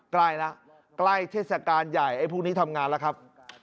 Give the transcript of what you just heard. ใกล้แล้วใกล้เทศกาลใหญ่ไอ้พวกนี้ทำงานแล้วครับ